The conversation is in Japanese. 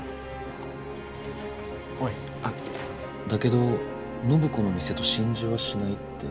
だけど暢子の店と心中はしないって。